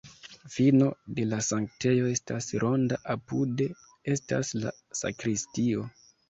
Fino de la sanktejo estas ronda, apude estas la sakristio.